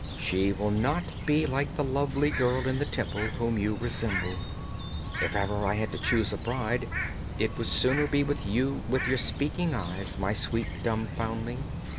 She will not be like the lovely girl in the Temple whom you resemble. If ever I had to choose a bride it would sooner be you with your speaking eyes, my sweet, dumb foundling!'